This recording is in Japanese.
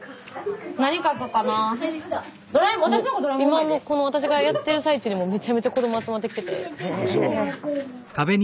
今この私がやってる最中にもめちゃめちゃ子ども集まってきてて。